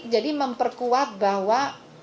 jadi memperkuat bahwa